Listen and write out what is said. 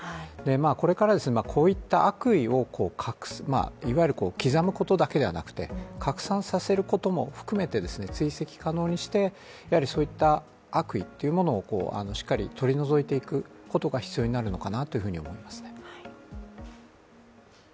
これからこういった悪意をいわゆる刻むことだけではなくて拡散させることも含めて追跡可能にしてそういった悪意というものをしっかり取り除いていくことが必要になるのかなと思いますね。